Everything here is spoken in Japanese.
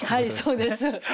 そうです。